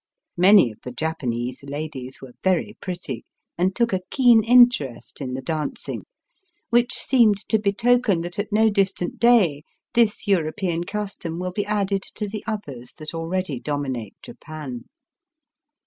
Many of the Japanese ladies were very pretty, and took a keen interest in the dancing, which seemed to betoken that at no distant day this European custom will be added to the others that already dominate Japan.